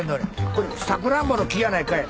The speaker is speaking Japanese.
これサクランボの木やないかい。